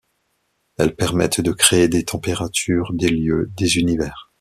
Elles permettent de créer des températures, des lieux des univers.